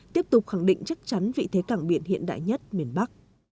tiếp tục khẳng định chắc chắn vị thế cảng biển hiện đại nhất miền bắc